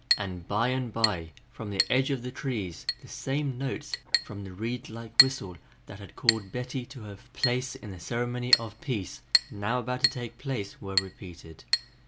And by and by, from the edge of the trees, the same notes from the reed like whistle that had called Betty to her place in the ceremony of peace, now about to take place, were repeated.